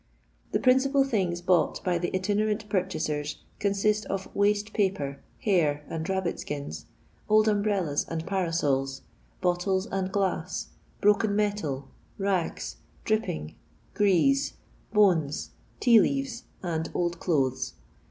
The principal things bought by the itinerant purchasers consist of waste paper, hare and rabbit skina, old umbrellas and parasols, bottles and glass, broken metal, rags, dripping, grease, bones, tea leaves, and old clothes.